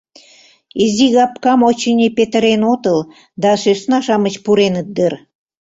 Изигапкам, очыни, петырен отыл да сӧсна-шамыч пуреныт дыр.